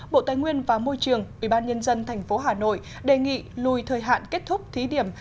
bộ tài nguyên và môi trường ủy ban nhân dân tp hà nội đề nghị lùi thời hạn kết thúc thí điểm